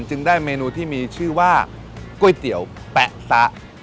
จึงได้เมนูที่มีชื่อว่าก๋วยเตี๋ยวแป๊ะซะ